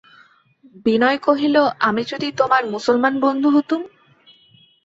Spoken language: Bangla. বিনয় কহিল, আমি যদি তোমার মুসলমান বন্ধু হতুম?